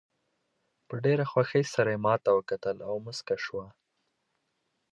په ډېره خوښۍ سره یې ماته وکتل او موسکاه شوه.